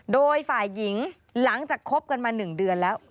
โดยฝ่ายหญิงหลังจากคบกันมา๑เดือนแล้ว